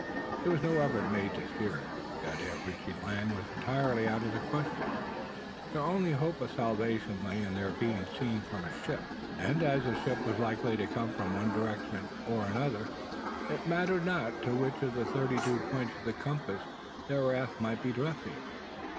There was no effort made to steer it. The idea of reaching land was entirely out of the question. Their only hope of salvation lay in their being seen from a ship; and as a ship was as likely to come from one direction as another, it mattered not to which of the thirty two points of the compass their raft might be drifting.